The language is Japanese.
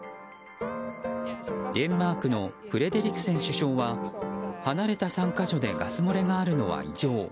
デンマークのフレデリクセン首相は離れた３か所でガス漏れがあるのは異常。